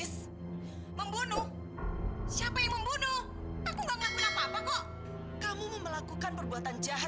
sampai jumpa di video selanjutnya